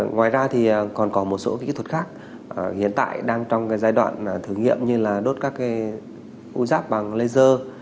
ngoài ra thì còn có một số kỹ thuật khác hiện tại đang trong giai đoạn thử nghiệm như là đốt các u giáp bằng laser